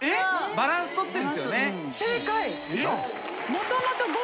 バランス取ってんですよね。